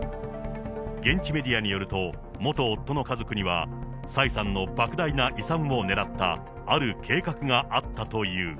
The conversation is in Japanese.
現地メディアによると、元夫の家族には、蔡さんのばく大な遺産を狙った、ある計画があったという。